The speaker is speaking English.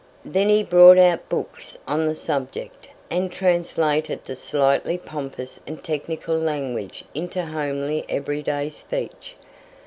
Then he brought out books on the subject, and translated the slightly pompous and technical language into homely every day speech.